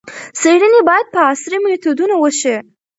څېړنې باید په عصري میتودونو وشي.